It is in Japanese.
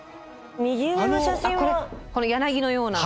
この柳のような。